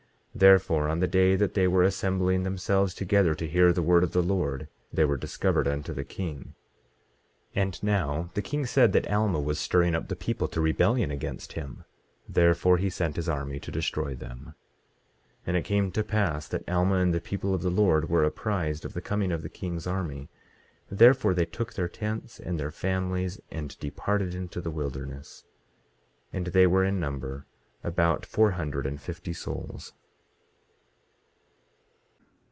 Therefore on the day that they were assembling themselves together to hear the word of the Lord they were discovered unto the king. 18:33 And now the king said that Alma was stirring up the people to rebellion against him; therefore he sent his army to destroy them. 18:34 And it came to pass that Alma and the people of the Lord were apprised of the coming of the king's army; therefore they took their tents and their families and departed into the wilderness. 18:35 And they were in number about four hundred and fifty souls.